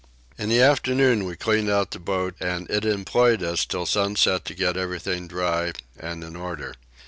In the afternoon we cleaned out the boat and it employed us till sunset to get everything dry and in order.